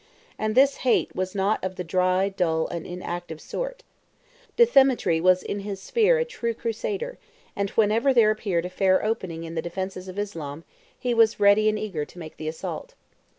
And this hate was not of the dry, dull, and inactive sort. Dthemetri was in his sphere a true Crusader, and whenever there appeared a fair opening in the defences of Islam, he was ready and eager to make the assault.